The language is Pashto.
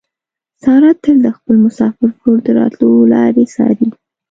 ساره تل د خپل مسافر ورور د راتلو لارې څاري.